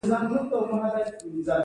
شپږمه پوښتنه دا ده چې حاکمیت تعریف کړئ.